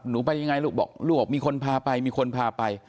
ไปยังไงลูกบอกลูกมีคนพาไปมีคนพาไป